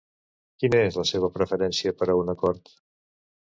Quina és la seva preferència per a un acord?